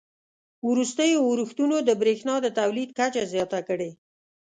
وروستیو اورښتونو د بریښنا د تولید کچه زیاته کړې